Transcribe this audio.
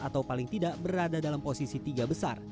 atau paling tidak berada dalam posisi tiga besar